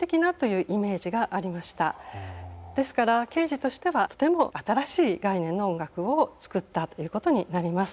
ですからケージとしてはとても新しい概念の音楽を作ったということになります。